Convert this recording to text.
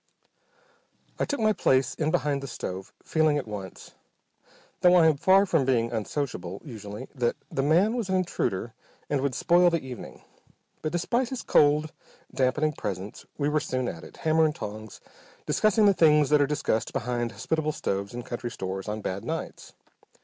I took my place in behind the stove, feeling at once, though I am far from being unsociable usually, that the man was an intruder and would spoil the evening. But despite his cold, dampening presence we were soon at it, hammer and tongs, discussing the things that are discussed behind hospitable stoves in country stores on bad nights.